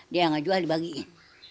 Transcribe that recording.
dia gak jual dibagiin